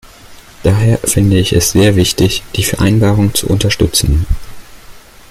Daher finde ich es sehr wichtig, die Vereinbarung zu unterstützen.